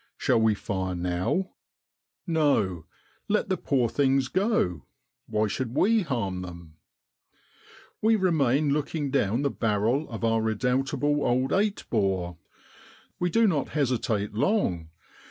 Shall we fire now? No! let the poor things go, why should we harm them ? We remain looking down the barrel of our redoubt able old eight bore. We do not hesitate long.